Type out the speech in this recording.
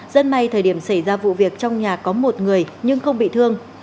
rất may thời điểm xảy ra vụ việc trong nhà có một người nhưng không bị thương